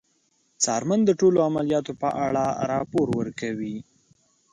څارمن د ټولو عملیاتو په اړه راپور ورکوي.